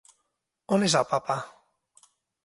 On és el Papa?